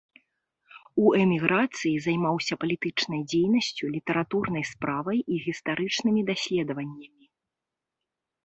У эміграцыі займаўся палітычнай дзейнасцю, літаратурнай справай і гістарычнымі даследаваннямі.